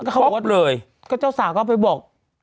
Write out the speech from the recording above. ปุ๊บเลยก็เจ้าสาวก็ไปบอก